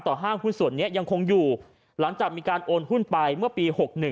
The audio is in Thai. ห้างหุ้นส่วนนี้ยังคงอยู่หลังจากมีการโอนหุ้นไปเมื่อปี๖๑